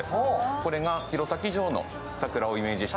これが弘前城の桜をイメージした。